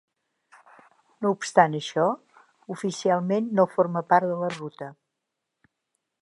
No obstant això, oficialment no forma part de la ruta.